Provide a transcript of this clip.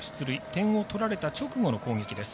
点を取られた直後の攻撃です。